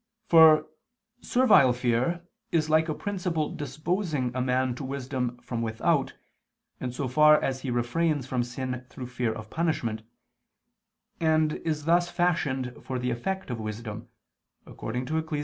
For servile fear is like a principle disposing a man to wisdom from without, in so far as he refrains from sin through fear of punishment, and is thus fashioned for the effect of wisdom, according to Ecclus.